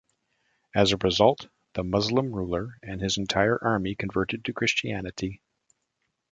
As a result, the Muslim ruler and his entire army convert to Christianity.